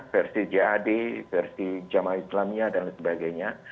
versi jad versi jamaah islamiyah dan sebagainya